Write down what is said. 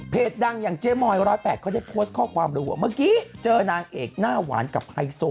ดังอย่างเจ๊มอย๑๐๘เขาได้โพสต์ข้อความเลยว่าเมื่อกี้เจอนางเอกหน้าหวานกับไฮโซ